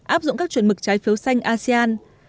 áp dụng các chuẩn mực trái phiếu xanh asean